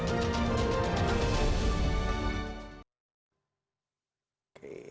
pemilu dan pilpres